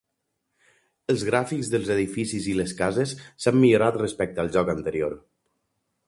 Els gràfics dels edificis i les cases s'han millorat respecte al joc anterior.